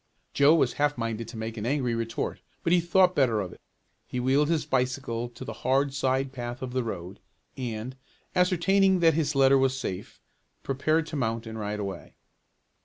Joe was half minded to make an angry retort but he thought better of it. He wheeled his bicycle to the hard side path of the road, and, ascertaining that his letter was safe, prepared to mount and ride away.